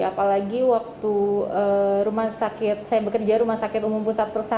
apalagi waktu saya bekerja di rumah sakit umum pusat persatuan